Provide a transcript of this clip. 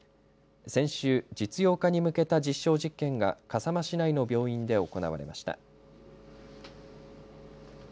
先週、実用化に向けた実証実験が笠間市内の病院で行われました。